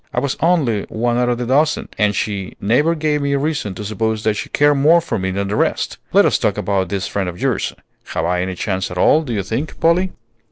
I was only one out of a dozen, and she never gave me reason to suppose that she cared more for me than the rest. Let us talk about this friend of yours; have I any chance at all, do you think, Polly?"